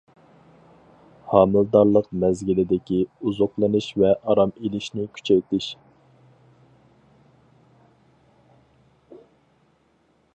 ھامىلىدارلىق مەزگىلىدىكى ئوزۇقلىنىش ۋە ئارام ئېلىشنى كۈچەيتىش.